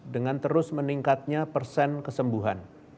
dengan terus meningkatnya persen kesembuhan